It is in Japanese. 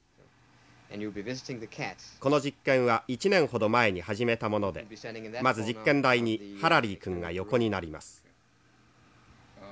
「この実験は１年ほど前に始めたものでまず実験台にハラリー君が横になります」。